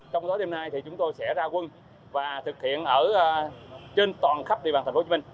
trong tối đêm nay thì chúng tôi sẽ ra quân và thực hiện ở trên toàn khắp địa bàn tp hcm